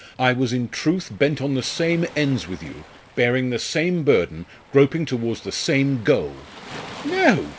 I was in truth bent on the same ends with you, bearing the same burden, groping towards the same goal." "No!